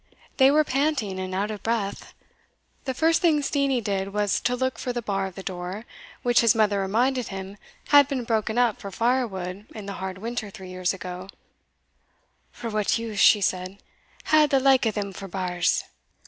They were panting and out of breath. The first thing Steenie did was to look for the bar of the door, which his mother reminded him had been broken up for fire wood in the hard winter three years ago; "for what use," she said, "had the like o' them for bars?"